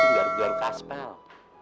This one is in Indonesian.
lu tinggal george kasper